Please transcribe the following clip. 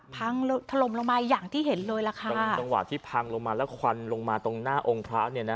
พังถลมลงมายังที่เห็นเลยละค่ะเวลาที่พังแล้วควันลงมาตรงหน้าองค์พระเนี้ยน่ะ